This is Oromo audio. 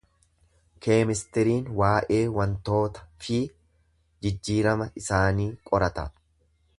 Keemistiriin waa'ee wantoota fi jijjiirama isaanii qorata.